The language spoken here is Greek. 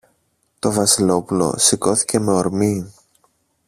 Το Βασιλόπουλο σηκώθηκε με ορμή